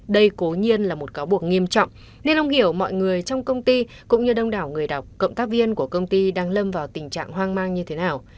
đây cố nhiên là một cáo buộc nghiêm trọng nên ông hiểu mọi người trong công ty cũng như đông đảo người đọc cộng tác viên của công ty đang lâm vào tình trạng hoang mang như thế nào